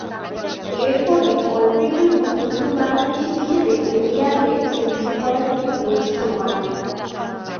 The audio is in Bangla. এরফলে অল্পের জন্য প্রথম বাংলাদেশী হিসেবে ওডিআইয়ে সেঞ্চুরি করা থেকে বঞ্চিত হন।